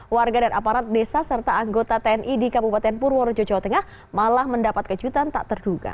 warga dan aparat desa serta anggota tni di kabupaten purworejo jawa tengah malah mendapat kejutan tak terduga